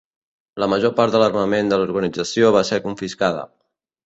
La major part de l'armament de l'organització va ser confiscada.